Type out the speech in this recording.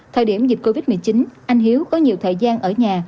thời điểm dịch covid một mươi chín anh hiếu có nhiều thời gian ở nhà